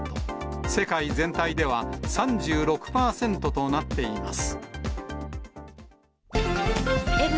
世界全体では３６％となっています。